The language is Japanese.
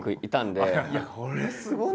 いやこれすごない？